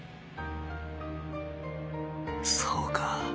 そうか。